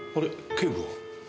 警部は。